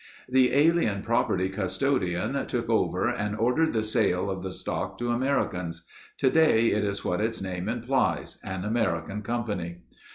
The Alien Property Custodian took over and ordered the sale of the stock to Americans. Today it is what its name implies—an American company.